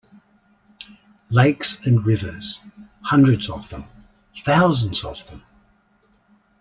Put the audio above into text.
Lakes and rivers, hundreds of them, thousands of them.